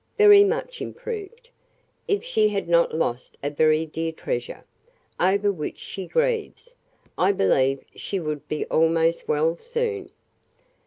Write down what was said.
"Very much improved. If she had not lost a very dear treasure, over which she grieves, I believe she would be almost well soon."